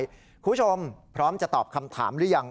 คุณผู้ชมพร้อมจะตอบคำถามหรือยัง